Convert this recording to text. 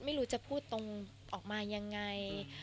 ไม่รู้จะพูดตรงออกมายังไง